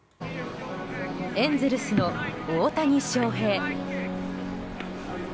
エンゼルスの大谷翔平。